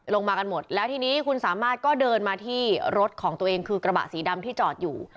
มากันหมดแล้วทีนี้คุณสามารถก็เดินมาที่รถของตัวเองคือกระบะสีดำที่จอดอยู่